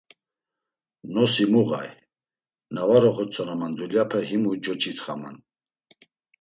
Nosi muğay, na var oxotzonaman dulyape himu coç̌itxaman.